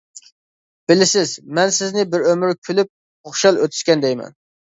بىلىسىز، مەن سىزنى بىر ئۆمۈر كۈلۈپ، خۇشال ئۆتسىكەن دەيمەن.